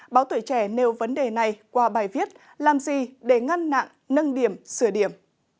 báo tuổi trẻ nêu vấn đề này qua bài viết làm gì để ngăn nặng nâng điểm sửa điểm